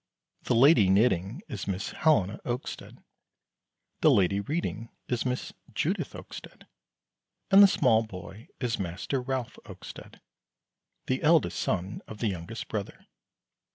The lady knitting is Miss Helena Oakstead, the lady reading is Miss Judith Oakstead, and the small boy is Master Ralph Oakstead, the eldest son of the youngest brother.